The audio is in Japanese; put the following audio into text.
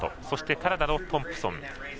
そしてカナダのトンプソン。